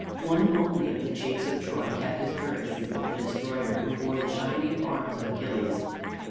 One only of the chiefs of Troy kept his courage before the destroyer who wore the shining arms of Achilles.